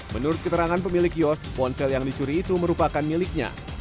menurut keterangan pemilik kios ponsel yang dicuri itu merupakan miliknya